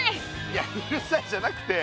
いやうるさいじゃなくて。